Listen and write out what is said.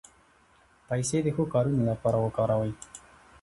پیسې د ښو کارونو لپاره وکاروئ.